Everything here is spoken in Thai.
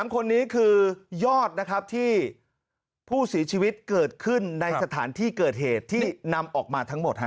๓คนนี้คือยอดนะครับที่ผู้เสียชีวิตเกิดขึ้นในสถานที่เกิดเหตุที่นำออกมาทั้งหมด